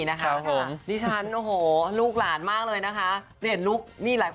ยังไม่รู้หรอกว่าใครจะได้เนี้ย